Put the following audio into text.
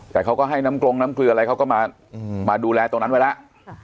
แต่เขาก็ให้น้ำกรงน้ำเกลืออะไรเขาก็มาดูแลตรงนั้นไว้แล้ว